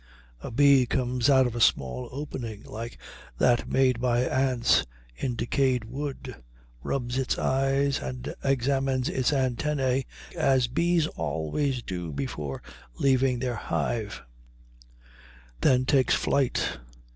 A bee comes out of a small opening like that made by ants in decayed wood, rubs its eyes and examines its antennæ, as bees always do before leaving their hive, then takes flight.